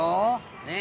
ねえ。